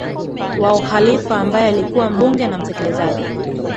wa Ukhalifa ambaye alikuwa mbunge na mtekelezaji